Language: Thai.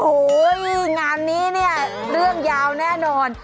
โอ้โหงานนี้เนี่ยเรื่องยาวแน่นอน